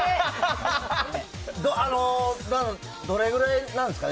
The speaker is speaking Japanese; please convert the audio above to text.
どれぐらいなんですか？